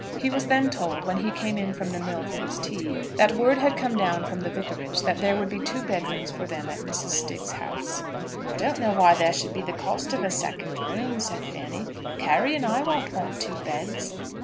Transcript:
He was then told, when he came in from the mill for his tea, that word had come down from the vicarage that there would be two bed rooms for them at Mrs. Stiggs' house. "I don't know why there should be the cost of a second room," said Fanny; "Carry and I won't want two beds."